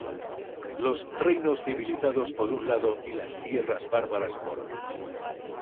Los reinos civilizados por un lado y las tierras bárbaras por otro.